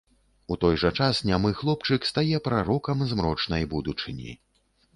У той жа час нямы хлопчык стае прарокам змрочнай будучыні.